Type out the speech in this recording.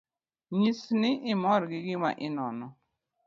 Nyis ni imor gi gima inono